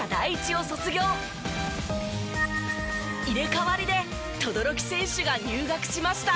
入れ替わりで轟選手が入学しました。